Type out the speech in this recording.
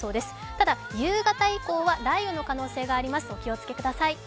ただ夕方以降は雷雨の可能性があります、お気をつけください。